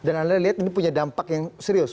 dan anda lihat ini punya dampak yang serius